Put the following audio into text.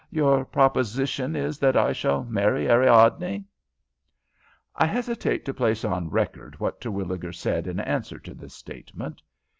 Your proposition is that I shall marry Ariadne?" I hesitate to place on record what Terwilliger said in answer to this statement.